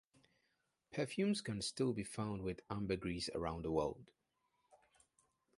Perfumes can still be found with ambergris around the world.